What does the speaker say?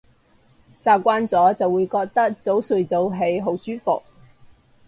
習慣咗就會覺得早睡早起好舒服